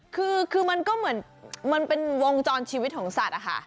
คือมันก็เหมือนมันเป็นวงจรชีวิตของสัตว์ค่ะ